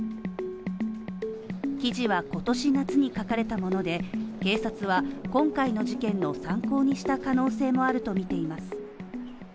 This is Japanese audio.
記事は今年夏に書かれたもので、警察は今回の事件の参考にした可能性もあるとみています。